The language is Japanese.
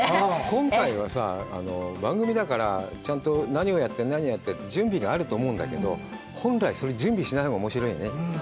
今回はさ、番組だから、ちゃんと何をやって、何をやってって、準備があると思うんだけど、本来、そういう準備しないほうがおもしろいね。